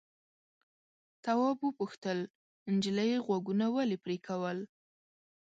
تواب وپوښتل نجلۍ غوږونه ولې پرې کول.